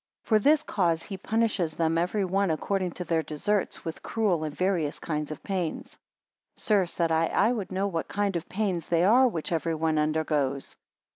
For this cause he punishes them every one according to their deserts, with cruel and various kinds of pains. 22 Sir, said I, I would know what kind of pains they are which every one undergoes?